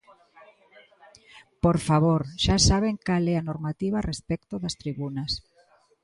Por favor, xa saben cal é a normativa respecto das tribunas.